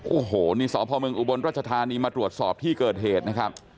โอ้โหนี่สพเมืองอุบลรัชธานีมาตรวจสอบที่เกิดเหตุนะครับ